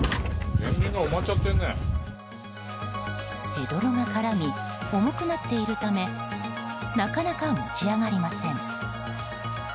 ヘドロが絡み重くなっているためなかなか持ち上がりません。